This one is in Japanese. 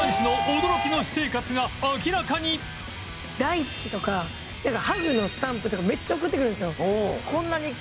大好きとかハグのスタンプとかめっちゃ送ってくるんですよ。